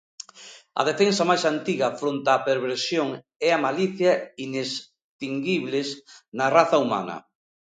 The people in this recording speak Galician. A defensa máis antiga fronte á perversión e á malicia inextinguibles na raza humana.